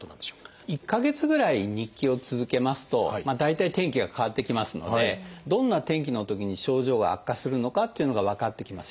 １か月ぐらい日記を続けますと大体天気が変わってきますのでどんな天気のときに症状が悪化するのかっていうのが分かってきますよね。